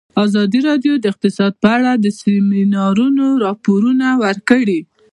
ازادي راډیو د اقتصاد په اړه د سیمینارونو راپورونه ورکړي.